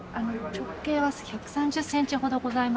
直径は１３０センチほどございまして。